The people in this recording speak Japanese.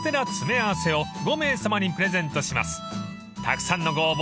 ［たくさんのご応募